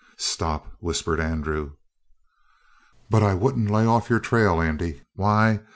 "Stop!" whispered Andrew. "But I wouldn't lay off your trail, Andy. Why?